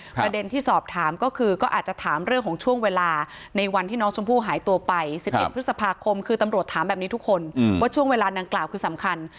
ประเด็นที่สอบถามก็คือก็อาจจะถามเรื่องของช่วงเวลาในวันที่น้องชมพู่หายตัวไป๑๑พฤษภาคมคือตำรวจถามแบบนี้ทุกคนว่าช่วงเวลาดังกล่าวคือสำคัญ